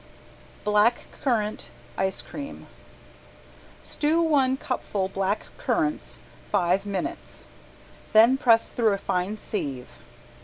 ~BLACK CURRANT ICE CREAM~ Stew one cupful black currants five minutes, then press through a fine sieve.